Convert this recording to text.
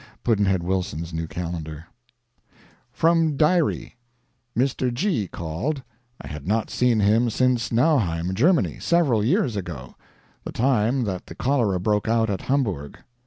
Pudd'nhead Wilson's New Calendar. From diary: Mr. G. called. I had not seen him since Nauheim, Germany several years ago; the time that the cholera broke out at Hamburg.